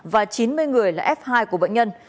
và chín mươi người là f hai của bệnh nhân